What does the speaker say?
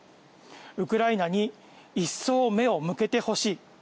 ウクライナに一層目を向けてほしい。